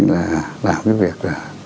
là làm cái việc